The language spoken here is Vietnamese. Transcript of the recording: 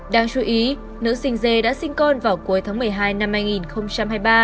đáng chú ý nữ sinh d đã sinh con vào cuối tháng một mươi hai năm